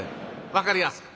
分かりやすい。